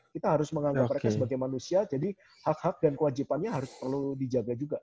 kita harus menganggap mereka sebagai manusia jadi hak hak dan kewajibannya harus perlu dijaga juga